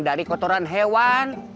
dari kotoran hewan